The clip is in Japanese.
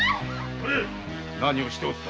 何をしておった。